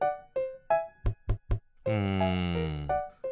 うん。